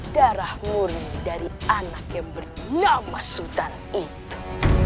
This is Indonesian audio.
darah muri dari anak yang bernama sultan itu